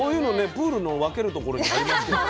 プールの分けるところにありますよね。